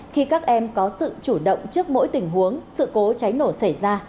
khi các em có sự chủ động trước mỗi tình huống sự cố cháy nổ xảy ra